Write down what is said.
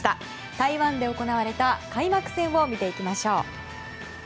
台湾で行われた開幕戦を見ていきましょう。